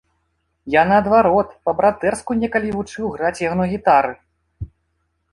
Я наадварот па-братэрску некалі вучыў граць яго на гітары!